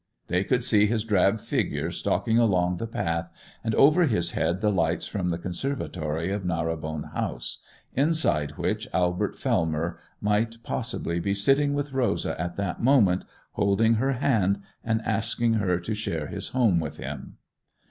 They could see his drab figure stalking along the path, and over his head the lights from the conservatory of Narrobourne House, inside which Albert Fellmer might possibly be sitting with Rosa at that moment, holding her hand, and asking her to share his home with him.